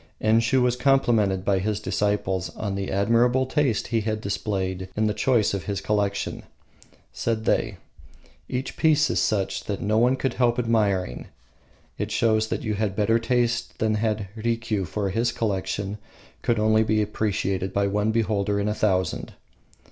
Enshiu was complimented by his disciples on the admirable taste he had displayed in the choice of his collection. Said they, "Each piece is such that no one could help admiring. It shows that you had better taste than had Rikiu, for his collection could only be appreciated by one beholder in a thousand."